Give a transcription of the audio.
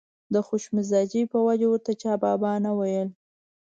د خوش مزاجۍ په وجه ورته چا بابا نه ویل.